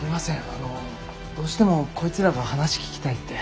あのどうしてもこいつらが話聞きたいって。